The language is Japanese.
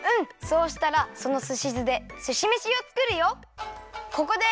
そうしたらそのすし酢ですしめしをつくるよ！